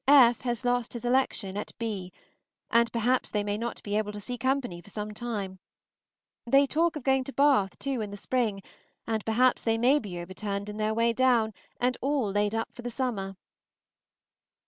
F has lost his election at B , and perhaps they may not be able to see company for some time. They talk of going to Bath, too, in the spring, and perhaps they may be overturned in their way down, and all laid up for the summer.